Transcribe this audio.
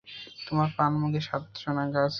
তোমার পান মুখে সাত শোনা গেছে ষাট।